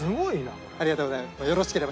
ありがとうございます。